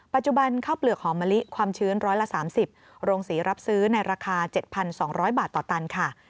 ข้าวเปลือกหอมมะลิความชื้นร้อยละ๓๐โรงสีรับซื้อในราคา๗๒๐๐บาทต่อตันค่ะ